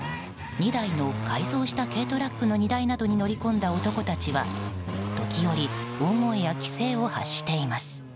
２台の改造した軽トラックの荷台に乗り込んだ男たちは時折、大声や奇声を発しています。